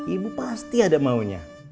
ibu pasti ada maunya